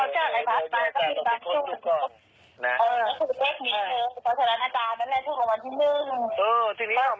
เออเอาให้สุดของน่าเออเอือทีนี้เอานี้เจอ